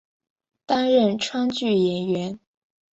担任川剧演员。